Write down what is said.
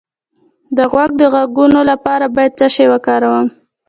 د غوږ د غږونو لپاره باید څه شی وکاروم؟